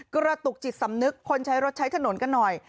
กระตุกจิตสำนึกคนใช้รถใช้ถนนกันหน่อย